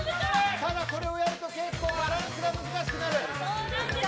ただ、これをやると結構バランスが難しくなる。